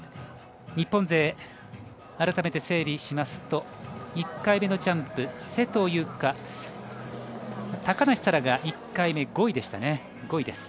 日本勢、改めて整理しますと１回目のジャンプ高梨沙羅が１回目、５位でしたね。